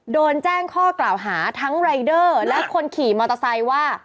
โดนแจ้งข้อกล่าวหาทั้งรายเดอร์และคนขี่มอเตอร์ไซค์ว่า